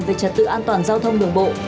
về trật tự an toàn giao thông đường bộ